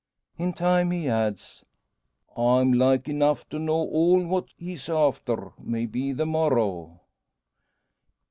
"In time," he adds, "I'm like enough to know all o' what he's after. Maybe, the morrow."